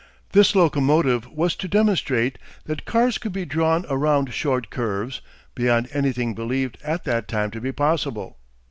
This locomotive was built to demonstrate that cars could be drawn around short curves, beyond anything believed at that time to be possible.